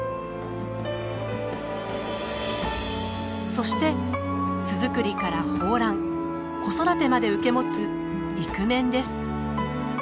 そして巣作りから抱卵子育てまで受け持つ育メンです。